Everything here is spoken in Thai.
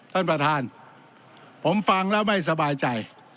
ท่านประธานผมฟังแล้วไม่สบายใจ